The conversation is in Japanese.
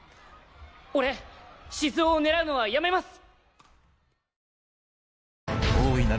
俺静雄を狙うのはやめます！